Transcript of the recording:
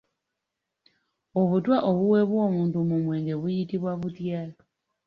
Obutwa obuweebwa omuntu mu mwenge buyitibwa butya?